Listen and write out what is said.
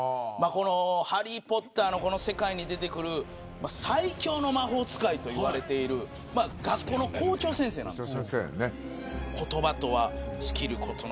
ハリー・ポッターの世界に出てくる最強の魔法使いといわれている学校の校長先生です。